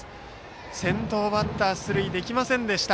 先頭バッター出塁できませんでした